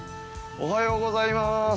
おはようございます